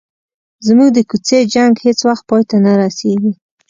زموږ د کوڅې جنګ هیڅ وخت پای ته نه رسيږي.